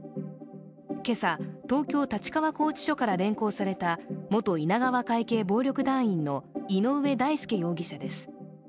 今朝、東京・立川拘置所から連行された元稲川会系暴力団の井上大輔容疑者です。